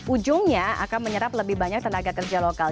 ujungnya akan menyerap lebih banyak tenaga kerja lokal